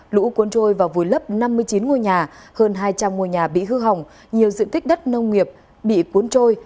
lũ cuốn trôi và vùi lấp năm mươi chín ngôi nhà hơn hai trăm linh ngôi nhà bị hư hỏng nhiều diện tích đất nông nghiệp bị cuốn trôi